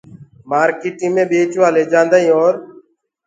مارڪيٽي مي ٻيچوآ ليجآدآئين اور